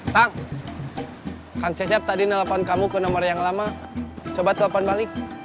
kang cecep tadi nelfon kamu ke nomor yang lama coba telepon balik